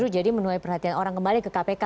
jadi menulai perhatian orang kembali ke kpk